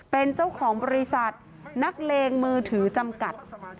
เป็นเจ้าของบริษัทนักเลงมือถือจำกัด